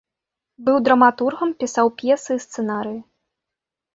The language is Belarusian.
Быў драматургам, пісаў п'есы і сцэнарыі.